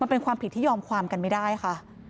มันเป็นความผิดที่ยอมความกันไม่ได้ค่ะ